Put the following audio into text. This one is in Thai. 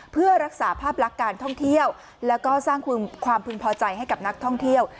เพื่อรักษาภาพลักษณ์การท่องเที่ยวแล้วก็สร้างความพึงพอใจให้กับนักท่องเที่ยว